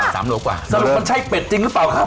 สรุปมันใช่เบ็ดจริงหรือเปล่าครับ